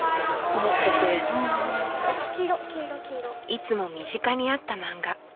いつも身近にあったマンガ。